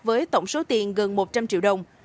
với tổng số tiền gần một trăm linh triệu đồng